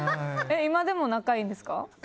今でも仲いいんですか？